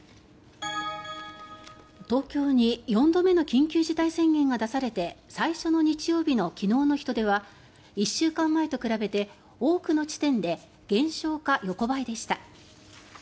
東京に４度目の緊急事態宣言が出されて最初の日曜日の昨日の人出は１週間前と比べて多くの地点で減少か横ばいでした。